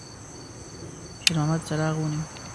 شېرمحمد څراغ ونیوه.